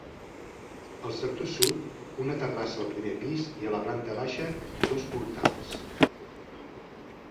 Al sector Sud una terrassa al primer pis i a la planta baixa dos portals.